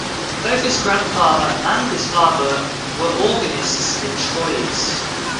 Both his grandfather and his father were organists in Troyes.